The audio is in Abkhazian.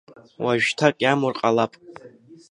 Уажәшьҭак иамур ҟалап!